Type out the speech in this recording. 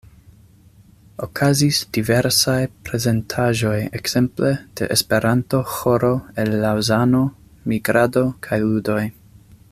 Okazis diversaj prezentaĵoj ekzemple de esperanto-ĥoro el Laŭzano, migrado kaj ludoj.